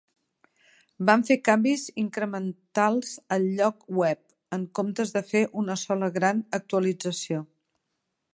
Vam fer canvis incrementals al lloc web, en comptes de fer una sola gran actualització.